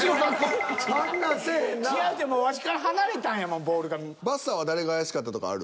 ワシから離れたんやもんボールが。